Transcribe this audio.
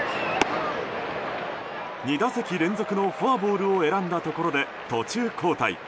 ２打席連続のフォアボールを選んだところで途中交代。